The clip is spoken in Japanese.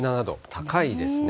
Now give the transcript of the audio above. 高いですね。